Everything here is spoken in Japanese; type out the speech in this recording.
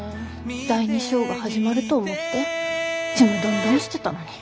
第２章が始まると思ってちむどんどんしてたのに。